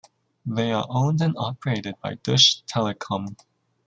They are owned and operated by Deutsche Telekom.